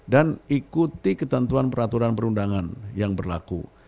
dan ikuti ketentuan peraturan perundangan yang berlaku